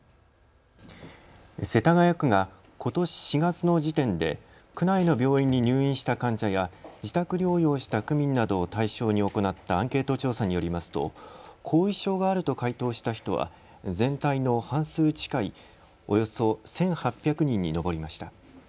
世田谷区が、ことし４月の時点で区内の病院に入院した患者や自宅療養した区民などを対象に行ったアンケート調査によりますと後遺症があると回答した人は全体の半数近いおよそ１８００人に上りました。